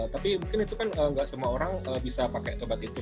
tapi mungkin itu kan nggak semua orang bisa pakai tobat itu